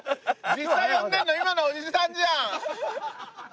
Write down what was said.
実際呼んでるの今のおじさんじゃん！